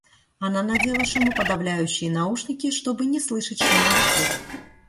Она надела шумоподовляющие наушники, чтобы не слышать шума вокруг.